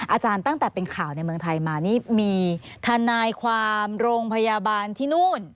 อาจารย์ตั้งแต่เป็นข่าวในเมืองไทยมานี่มีทนายความโรงพยาบาลที่นู่น